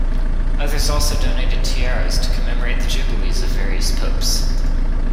Others also donated tiaras to commemorate the jubilees of various popes.